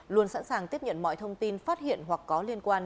luôn sẵn sàng tiếp nhận mọi thông tin phát hiện hoặc có liên quan